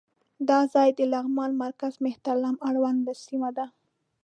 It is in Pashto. دا ځای د لغمان مرکز مهترلام اړوند سیمه ده.